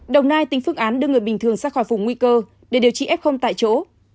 đồng nai tính phương án đưa người bình thường ra khỏi vùng nguy cơ để điều trị f tại chỗ